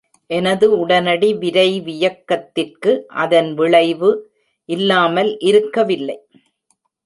எனது உடனடி விரைவியக்கத்திற்கு அதன் விளைவு இல்லாமல் இருக்கவில்லை.